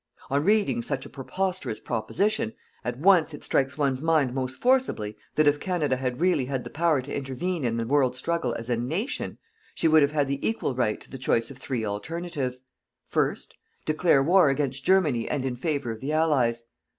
On reading such a preposterous proposition, at once it strikes one's mind most forcibly that if Canada had really had the power to intervene in the world's struggle as a "Nation," she would have had the equal right to the choice of three alternatives. First: Declare war against Germany and in favor of the Allies.